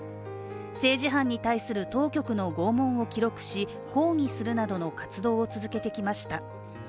政治犯に対する当局の拷問を記録し抗議するなどの活動を続けてきました。